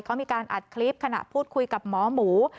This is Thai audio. เขามีการอัดคลิปขณะพูดคุยกับหมอหมู